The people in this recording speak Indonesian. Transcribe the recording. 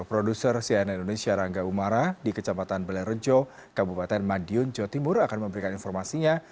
produser cnn indonesia rangga umara di kecamatan belerejo kabupaten madiun jawa timur akan memberikan informasinya